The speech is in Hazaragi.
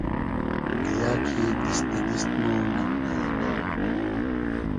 بییۂ کی دیست دۂ دیست مۉ نۆ نییالا